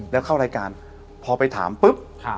แล้วเข้ารายการพอไปถามปุ๊บ